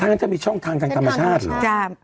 งั้นจะมีช่องทางทางธรรมชาติเหรอ